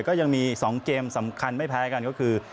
ก็ยังมี๒เกมสำคัญไม่แพ้กันก็คือ